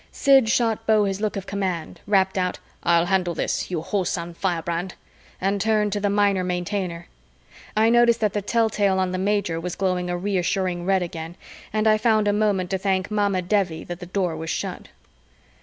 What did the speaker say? Sid shot Beau his look of command, rapped out, "I'll handle this, you whoreson firebrand," and turned to the Minor Maintainer. I noticed that the telltale on the Major was glowing a reassuring red again, and I found a moment to thank Mamma Devi that the Door was shut.